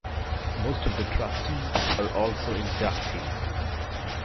Most of the trustees are also inductees.